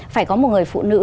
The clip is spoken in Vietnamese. phải có một người phụ nữ